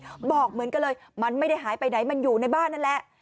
ก็บอกเหมือนกันเลยมันไม่ได้หายไปไหนมันอยู่ในบ้านนั่นแหละ